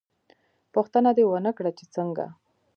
_ پوښتنه دې ونه کړه چې څنګه؟